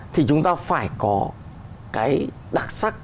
thì chúng ta phải có cái đặc sắc